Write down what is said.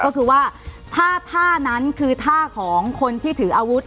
ก็คือว่าถ้าท่านั้นคือท่าของคนที่ถืออาวุธ